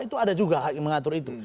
itu ada juga mengatur itu